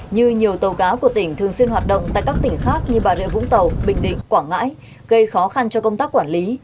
như nhiều tàu cá của tỉnh thường xuyên hoạt động tại các tỉnh khác như bà rịa vũng tàu bình định quảng ngãi gây khó khăn cho công tác quản lý